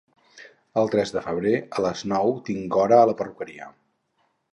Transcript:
El tres de febrer a les nou tinc hora a la perruqueria